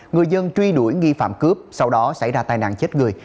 người dân truy đuổi nghi phạm cướp sau đó xảy ra tai nạn chết người